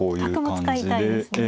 角も使いたいですね。